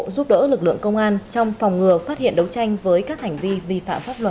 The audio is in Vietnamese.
giúp đỡ lực lượng công an trong phòng ngừa phát hiện đấu tranh với các hành vi vi phạm pháp luật